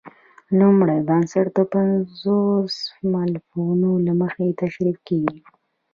لومړی بنسټ د پنځو مولفو له مخې تشرېح کیږي.